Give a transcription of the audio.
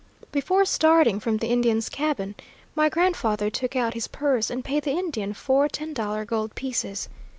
"Before starting from the Indian's cabin my grandfather took out his purse and paid the Indian four ten dollar gold pieces.